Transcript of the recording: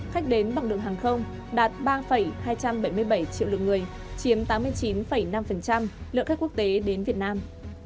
khách đến bằng đường hàng không đạt ba hai trăm bảy mươi bảy triệu lượt người chiếm tám mươi chín năm lượng khách quốc tế đến việt nam